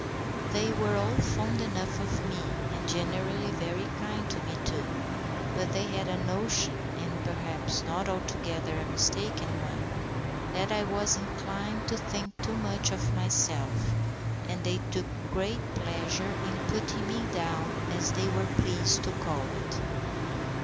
They were all fond enough of me, and generally very kind to me too; but they had a notion, and perhaps not altogether a mistaken one, that I was inclined to think too much of myself, and they took great pleasure in putting me down, as they were pleased to call it.